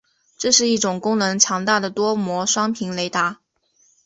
这是一种功能强大的多模双频雷达。